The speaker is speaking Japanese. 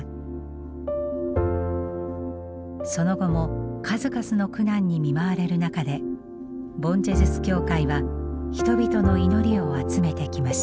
その後も数々の苦難に見舞われる中でボン・ジェズス教会は人々の祈りを集めてきました。